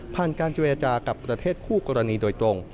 การเจรจากับประเทศคู่กรณีโดยตรง